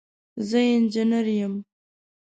زه انجينر يم.